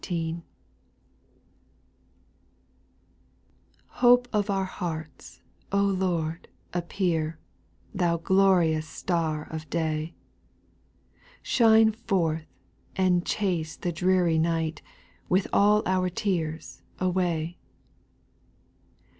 TJOPE of our hearts, O Lord, appear, XX Thou glorious star of day I Shine forth, and chase the dreary night, With all our tears, away.